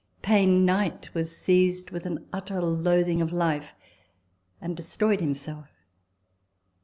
Payne Knight was seized with an utter loathing of life, and destroyed himself.